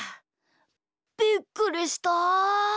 びっくりした！